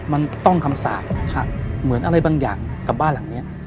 มันต้องทำศาสตร์ครับเหมือนอะไรบางอย่างกับบ้านหลังเนี้ย